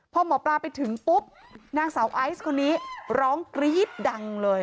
พอหมอปลาไปถึงปุ๊บนางสาวไอซ์คนนี้ร้องกรี๊ดดังเลย